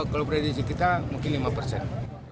kalau prediksi kita mungkin lima persen